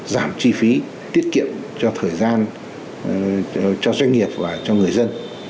giảm chi phí tiết kiệm cho thời gian cho doanh nghiệp và cho người dân